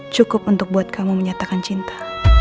cukup untuk buat kamu menyatakan cinta